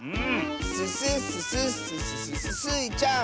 ススッススッスススススイちゃん！